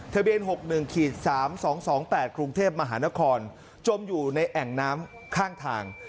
ทะเบียนหกหนึ่งขีดสามสองสองแปดครุงเทพมหานครจมอยู่ในแอ่งน้ำข้างทาง